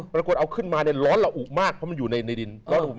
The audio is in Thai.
ปรากฎเอาขึ้นมานี่ร๊อนเหล่าอูบมากเพราะมันอยู่ในดิน